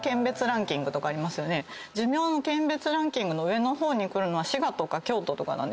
寿命の県別ランキングの上の方にくるのは滋賀とか京都とかなんですよ。